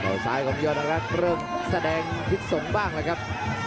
ต่อยซ้ายของยอดอักรักษ์เริ่มแสดงทิศส่งบ้างเลยครับ